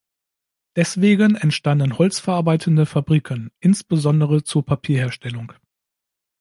Deswegen entstanden holzverarbeitende Fabriken, insbesondere zur Papierherstellung.